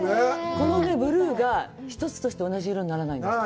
このブルーが一つとして同じ色にならないんですって。